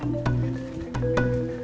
ntar aja udah ada